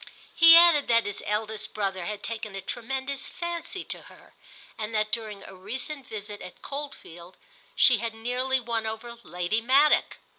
He added that his eldest brother had taken a tremendous fancy to her and that during a recent visit at Coldfield she had nearly won over Lady Maddock.